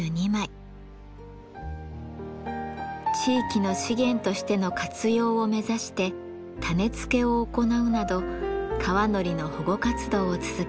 地域の資源としての活用を目指して種付けを行うなど川海苔の保護活動を続けています。